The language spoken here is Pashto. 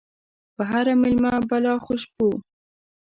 په هر ميلمه بلا خوشبو